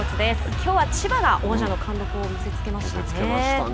きょうは千葉が王者の貫禄を見せつけましたね。